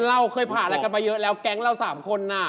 เราเคยผ่านอะไรกันมาเยอะแล้วแก๊งเรา๓คน